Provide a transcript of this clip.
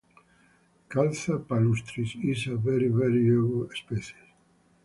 "Caltha palustris" is a very variable species.